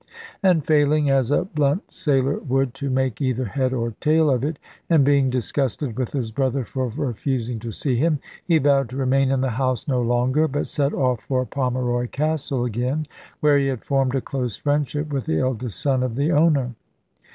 And failing, as a blunt sailor would, to make either head or tail of it, and being disgusted with his brother for refusing to see him, he vowed to remain in the house no longer, but set off for Pomeroy Castle again, where he had formed a close friendship with the eldest son of the owner.